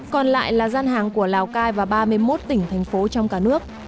còn lại là gian hàng của lào cai và ba mươi một tỉnh thành phố trong cả nước